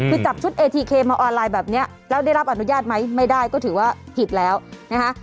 คือจับชุดเอทีเคมาออนไลน์แบบนี้แล้วได้รับอนุญาตไหมไม่ได้ก็ถือว่าผิดแล้วนะคะ